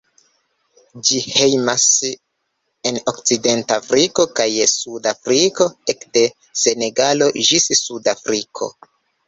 Ĝi hejmas en Okcidentafriko kaj suda Afriko, ekde Senegalo ĝis Sud-Afriko.